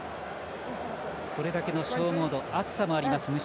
それだけの消耗度蒸し暑さもあります。